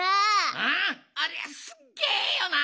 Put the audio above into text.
ああありゃすっげえよな。